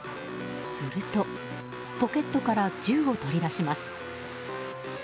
するとポケットから銃を取り出します。